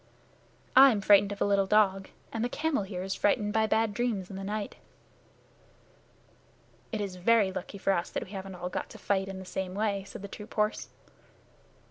"I'm frightened of a little dog, and the camel here is frightened by bad dreams in the night." "It is very lucky for us that we haven't all got to fight in the same way," said the troop horse.